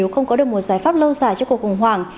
nếu không có được một giải pháp lâu dài cho cuộc khủng hoảng